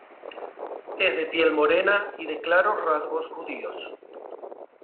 Es de piel morena y de claros rasgos judíos.